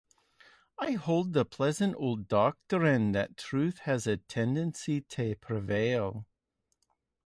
I hold the pleasant old doctrine that truth has a tendency to prevail.